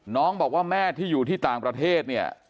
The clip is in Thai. น้องบอกว่าแม่ที่อยู่ที่ต่างประเทศเนี่ย